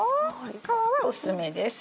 皮は薄めです。